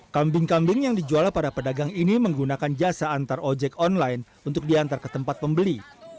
kambing kambing yang dijual para pedagang ini menggunakan jasa antar ojek online untuk diantar ke tempat pembeli